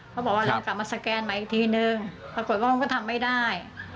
เขาบอกว่าลองกลับมาสแกนมาอีกทีนึงปรากฏว่ามันก็ทำไม่ได้